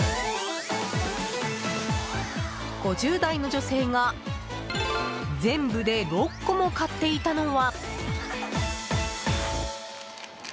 ５０代の女性が全部で６個も買っていたのは。